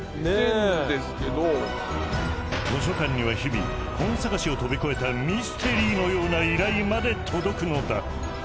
図書館には日々本探しを飛び越えたミステリーのような依頼まで届くのだ。